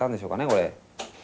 これ。